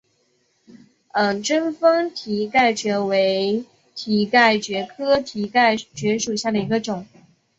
贞丰蹄盖蕨为蹄盖蕨科蹄盖蕨属下的一个种。